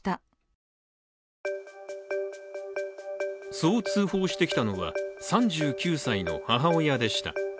そう通報してきたのは３９歳の母親でした。